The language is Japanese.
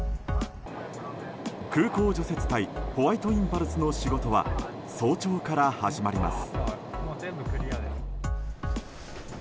空港除雪隊ホワイトインパルスの仕事は早朝から始まります。